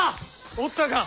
おったか？